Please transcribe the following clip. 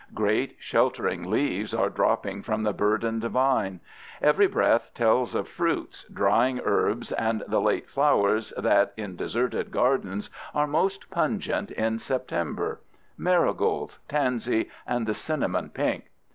Great, sheltering leaves are dropping from the burdened vine. Every breath tells of fruits, drying herbs, and the late flowers that in deserted gardens are most pungent in September—marigolds, tansy, and the cinnamon pink.